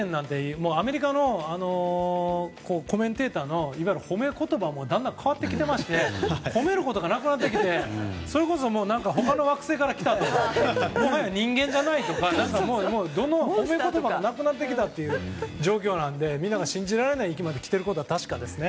もうアメリカのコメンテーターのいわゆる褒め言葉もだんだん変わってきてまして褒めることがなくなってきてそれこそ、他の惑星から来たとかもはや人間じゃないとか褒め言葉がなくなってきた状況なのでみんなが信じられない域まで来ていることは確かですね。